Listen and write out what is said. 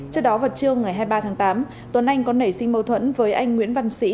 trước đó vào trưa ngày hai mươi ba tháng tám tuấn anh có nảy sinh mâu thuẫn với anh nguyễn văn sĩ